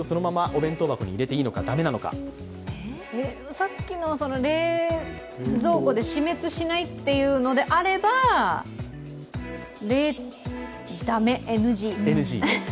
さっきの冷蔵庫で死滅しないというのであれば、駄目、ＮＧ。